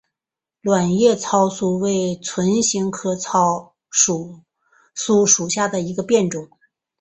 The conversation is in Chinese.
卵叶糙苏为唇形科糙苏属下的一个变种。